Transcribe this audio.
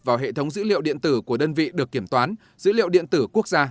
vào hệ thống dữ liệu điện tử của đơn vị được kiểm toán dữ liệu điện tử quốc gia